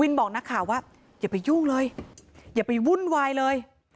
บอกนักข่าวว่าอย่าไปยุ่งเลยอย่าไปวุ่นวายเลย